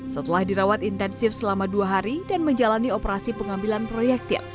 setelah dirawat intensif selama dua hari dan menjalani operasi pengambilan proyektil